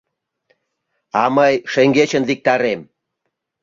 А мый шеҥгечын виктарем...